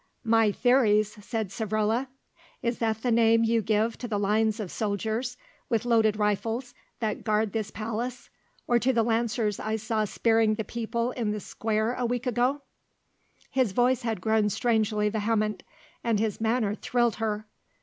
"My theories!" said Savrola. "Is that the name you give to the lines of soldiers with loaded rifles that guard this palace, or to the Lancers I saw spearing the people in the square a week ago?" His voice had grown strangely vehement and his manner thrilled her.